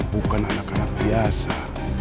bukan anak anak biasa